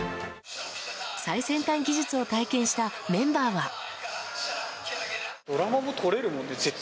最先端技術を体験したメンバーは。